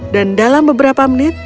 dan dalam beberapa menit